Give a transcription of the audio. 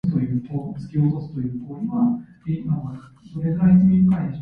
The family is eventually evicted after their money is taken.